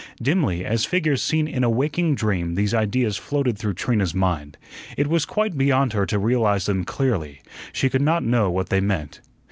Dimly, as figures seen in a waking dream, these ideas floated through Trina's mind. It was quite beyond her to realize them clearly; she could not know what they meant.